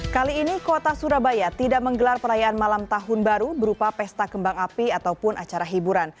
kali ini kota surabaya tidak menggelar perayaan malam tahun baru berupa pesta kembang api ataupun acara hiburan